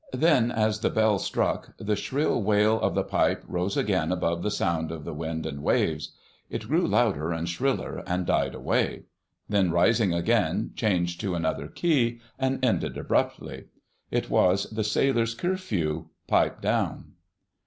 Then, as the bell struck, the shrill wail of the pipe rose again above the sound of the wind and waves. It grew louder and shriller, and died away: then, rising again, changed to another key and ended abruptly. It was the sailor's Curfew—"Pipe down."